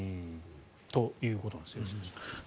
ということです良純さん。